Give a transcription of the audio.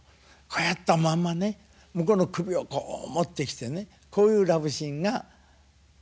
こうやったまんまね向こうの首をこう持ってきてねこういうラブシーンが。